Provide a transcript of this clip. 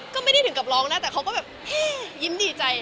ก็ไม่ได้ถึงกับร้องแต่ก็เฮยิ้มดีใจ